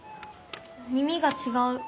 耳がちがう。